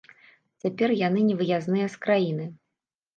Цяпер яны невыязныя з краіны.